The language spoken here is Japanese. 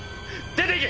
出ていけ！